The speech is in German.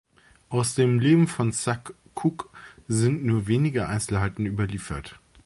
Aus dem Leben von Sak K’uk’ sind nur wenige Einzelheiten überliefert.